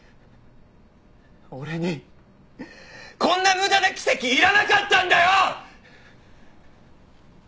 俺にこんな無駄な奇跡いらなかったんだよ！